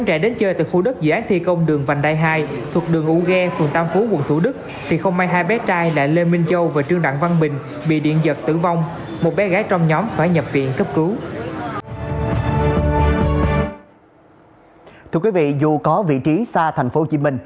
thưa quý vị dù có vị trí xa thành phố hồ chí minh